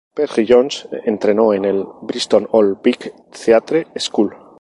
Penry-Jones entrenó en el Bristol Old Vic Theatre School.